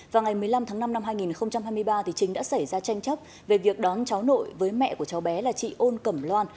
vào ngày một mươi năm tháng năm năm hai nghìn hai mươi ba chính đã xảy ra tranh chấp về việc đón cháu nội với mẹ của cháu bé là chị ôn cẩm loan